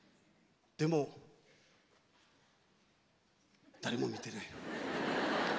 でも誰も見てない。